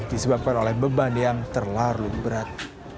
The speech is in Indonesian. disebabkan oleh beban yang terlalu berat